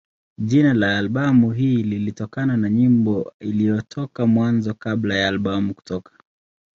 Jina la albamu hii lilitokana na nyimbo iliyotoka Mwanzo kabla ya albamu kutoka.